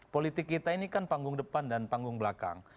politik kita ini kan panggung depan dan panggung belakang